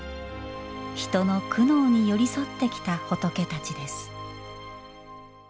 人の苦悩に寄り添ってきた仏たちです。